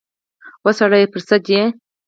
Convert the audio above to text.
وا سړیه پر سد یې ؟